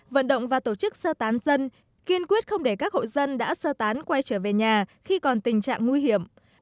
vận động và tổ chức sơ tán dân kiên quyết không để các hộ dân đã sơ tán quay trở về nhà khi còn tình trạng nguy hiểm